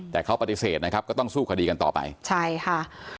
แต่เขาปฏิเสธนะครับก็ต้องสู้คดีกันต่อไปใช่ค่ะ